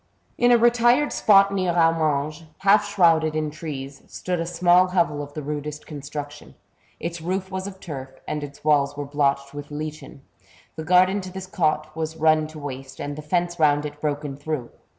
In a retired spot near Amanges, half shrouded in trees, stood a small hovel of the rudest construction ; its roof was of turf, and its walls were blotched with lichen. The garden to this cot was run to waste, and the fence round it broken through.